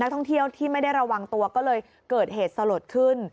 ท่องเที่ยวที่ไม่ได้ระวังตัวก็เลยเกิดเหตุสลดขึ้น